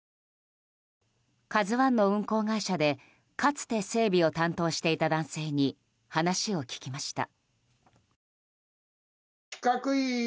「ＫＡＺＵ１」の運航会社でかつて整備を担当していた男性に話を聞きました。